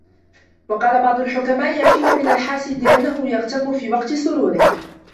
وَقَالَ بَعْضُ الْحُكَمَاءِ يَكْفِيك مِنْ الْحَاسِدِ أَنَّهُ يَغْتَمُّ فِي وَقْتِ سُرُورِك